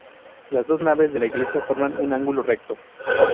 Las dos naves de la iglesia forman un ángulo recto.